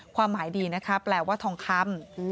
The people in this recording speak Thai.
ความหมายดีนะคะแปลว่าทองคำ